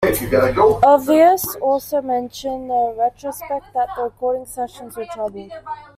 Ulvaeus also mentioned in retrospect that the recording sessions were troubled.